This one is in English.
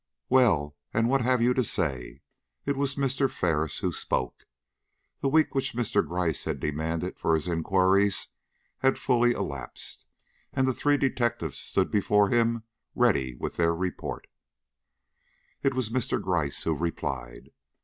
"WELL, and what have you to say?" It was Mr. Ferris who spoke. The week which Mr. Gryce had demanded for his inquiries had fully elapsed, and the three detectives stood before him ready with their report. It was Mr. Gryce who replied.